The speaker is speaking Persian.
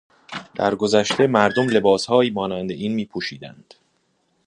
در گذشته مردم لباسهائی مانند این میپوشیدند.